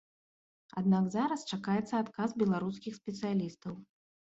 Аднак зараз чакаецца адказ беларускіх спецыялістаў.